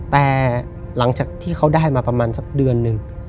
แต่หลังจากที่เขาได้มาประมาณสักเดือนหนึ่ง